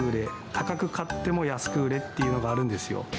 高く買っても安く売れっていうのがあるんですよ。